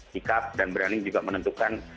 sikap dan berani juga menentukan